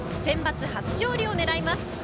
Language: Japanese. センバツ初勝利を狙います。